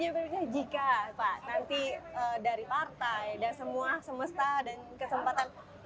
bagaimana siap atau tidak pak